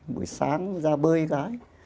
buổi sáng ra bơi cái